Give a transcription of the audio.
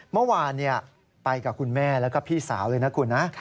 เมื่อวานไปกับคุณแม่แล้วก็พี่สาวเลยนะคุณนะ